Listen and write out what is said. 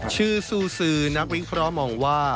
ชื่อซูซือนักวิทย์พร้อมมองว่า